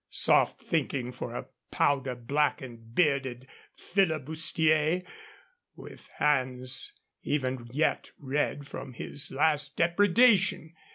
Soft thinking for a powder blackened, bearded flibustier, with hands even yet red from his last depredation!